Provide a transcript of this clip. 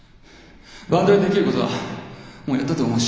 バンドでできることはもうやったと思うし。